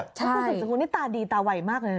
คุณศูนย์คุณนี่ตาดีตาไหวมากเลย